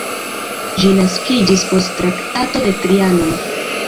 Ĝi naskiĝis post Traktato de Trianon.